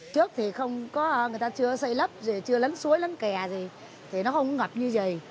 trước thì không có người ta chưa xây lấp chưa lấn suối lấn kè gì thì nó không có ngập như vậy